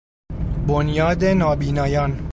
بنیاد نابینایان